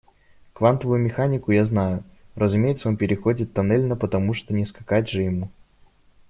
Квантовую механику я знаю, разумеется, он переходит тоннельно, потому что не скакать же ему.